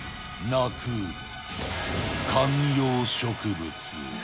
鳴く観葉植物。